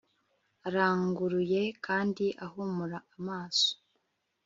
aranguruye kandi ahumura amaso